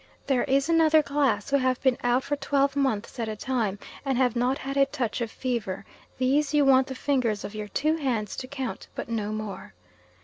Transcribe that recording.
There is another class who have been out for twelve months at a time, and have not had a touch of fever; these you want the fingers of your two hands to count, but no more.